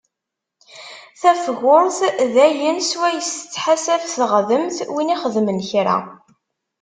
Tafgurt d ayen swayes tettḥasaf teɣdemt win ixedmen kra.